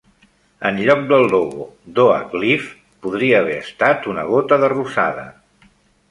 En lloc del logo d'Oak Leaf, podria haver estat una gota de rosada.